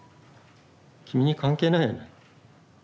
君に関係ないよね。